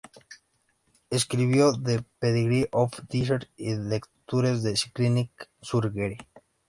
Escribió "The Pedigree of Diseases" y "Lectures on Clinical Surgery".